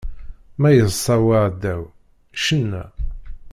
Ma iḍsa uɛdaw, cenna!